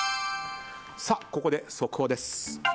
ここで速報です。